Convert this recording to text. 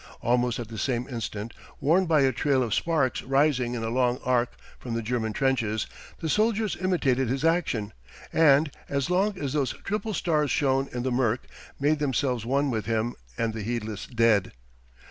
Almost at the same instant, warned by a trail of sparks rising in a long arc from the German trenches, the soldiers imitated his action, and, as long as those triple stars shone in the murk, made themselves one with him and the heedless dead.